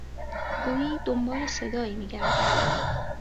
گویی دنبال صدایی میگردد